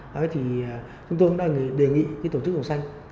vậy thì chúng tôi cũng đang đề nghị tổ chức hồng xanh